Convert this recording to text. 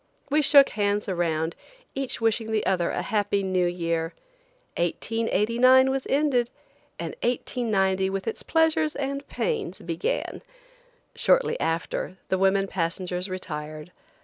We shook hands around, each wishing the other a happy New Year. 1889 was ended, and 1890 with its pleasures and pains began. Shortly after, the women passengers retired.